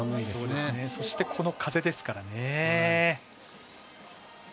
そしてこの風ですから。